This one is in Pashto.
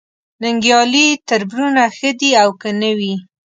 ننګیالي تربرونه ښه دي او که نه وي